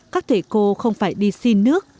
các thể cô không phải đi xin nước